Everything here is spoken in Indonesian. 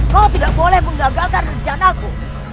kau tidak boleh menggagalkan rencanaku